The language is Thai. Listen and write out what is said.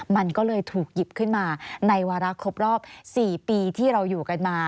มันก็เลยถูกหยิบขึ้นมาในวาระครบรอบ๔ปีที่เราอยู่กันมา